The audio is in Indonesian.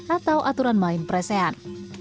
atau aturan main presean